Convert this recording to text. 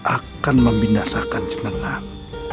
akan membinasakan jenenang